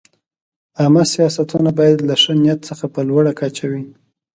عامه سیاستونه باید له ښه نیت څخه په لوړه کچه وي.